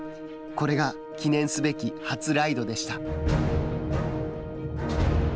これが記念すべき初ライドでした。